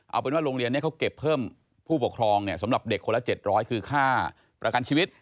เอาเป็นว่าโรงเรียนนี้เขาเก็บเพิ่มผู้ปกครองสำหรับเด็กคนละ๗๐๐คือค่าประกันชีวิต